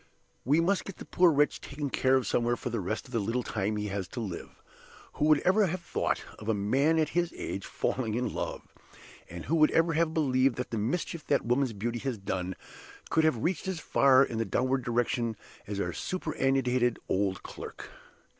We must get the poor wretch taken care of somewhere for the rest of the little time he has to live. Who would ever have thought of a man at his age falling in love? And who would ever have believed that the mischief that woman's beauty has done could have reached as far in the downward direction as our superannuated old clerk?